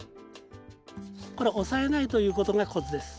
これ押さえないということがコツです。